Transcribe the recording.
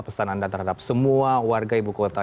pesan anda terhadap semua warga ibu kota